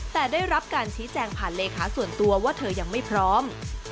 แต่ได้รับการชี้แจงผ่านเลขาส่วนตัวว่าเธอยังไม่พร้อม